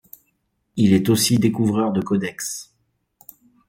Il est aussi découvreurs de codex.